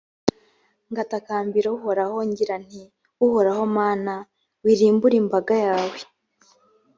ngatakambira uhoraho ngira nti «uhoraho mana, wirimbura imbaga yawe